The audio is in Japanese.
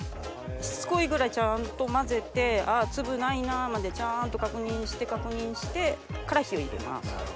しつこいぐらいちゃんと混ぜてあぁ粒ないなまでちゃんと確認して確認してから火を入れます。